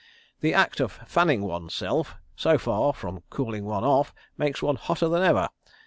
The act of fanning one's self, so far from cooling one off, makes one hotter than ever.